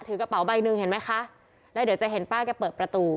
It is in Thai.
กระเป๋าใบหนึ่งเห็นไหมคะแล้วเดี๋ยวจะเห็นป้าแกเปิดประตู